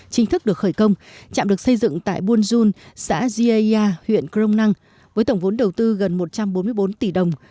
chính thức được khởi công chạm được xây dựng tại buôn dung xã giaia huyện crom năng với tổng vốn đầu tư gần một trăm bốn mươi bốn tỷ đồng